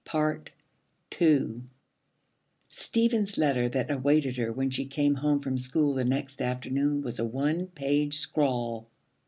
II Stephen's letter that awaited her when she came home from school the next afternoon was a one page scrawl.